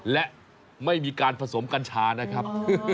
และไม่มีการผสมกัญชานะครับ